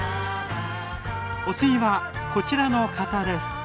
お次はこちらの方です！